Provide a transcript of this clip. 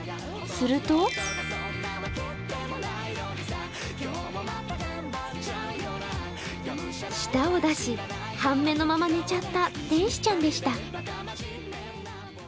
すると舌を出し、半目のまま寝ちゃった天使ちゃんでした。